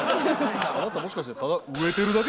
あなたもしかしてただ。